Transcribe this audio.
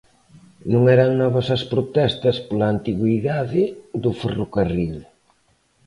Non eran novas as protestas pola antigüidade do ferrocarril.